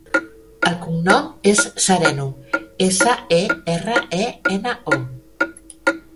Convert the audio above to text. El cognom és Sereno: essa, e, erra, e, ena, o.